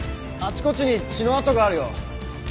あちこちに血の痕があるよ。